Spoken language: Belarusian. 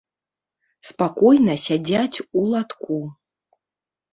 Спакойна сядзяць у латку.